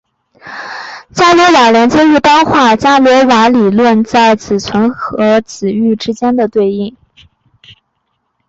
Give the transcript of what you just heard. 伽罗瓦连接一般化了伽罗瓦理论中在子群和子域之间的对应。